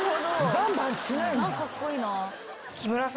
バンバンしないんだ。